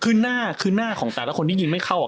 คือหน้าคือหน้าของแต่ละคนที่ยิงไม่เข้า